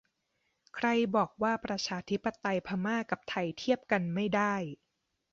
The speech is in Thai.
ใครบอกว่าประชาธิปไตยพม่ากับไทยเทียบกันไม่ได้ !